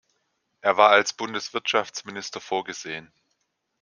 Er war als Bundeswirtschaftsminister vorgesehen.